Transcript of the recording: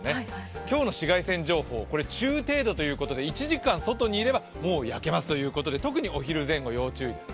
今日の紫外線情報中程度ということで１時間外にいれば、もう焼けますということで特にお昼前後要注意ですね。